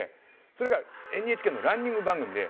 それがＮＨＫのランニング番組で。